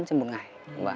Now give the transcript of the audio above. trên một ngày